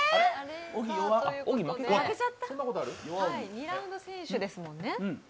２ラウンド先取ですもんね。